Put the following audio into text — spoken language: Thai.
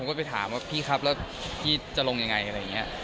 ผมก็ไปถามว่าพี่ครับพี่จะลงอย่างไรอย่างนี้